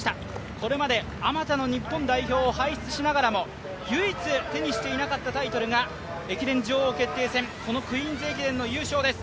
これまで、あまたの日本代表を輩出しながらも唯一、手にしていなかったタイトルが駅伝女王決定戦、このクイーンズ駅伝の優勝です。